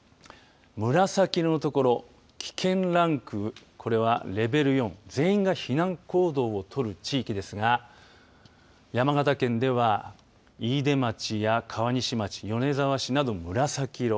紫の所危険ランク、これはレベル４全員が避難行動をとる地域ですが山形県では飯豊町や川西町米沢市など紫色